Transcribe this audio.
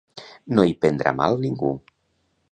No hi prendrà mal ningú.